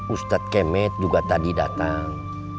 ustadz kemet juga tadi datang